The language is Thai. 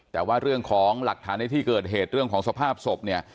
แต่ว่าเรื่องของหลักฐานในที่เกิดเหตุเรื่องของสภาพศพเนี่ย